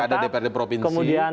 tapi ada dprd provinsi